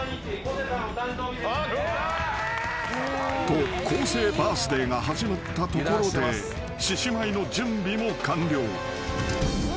［と昴生バースデーが始まったところで獅子舞の準備も完了］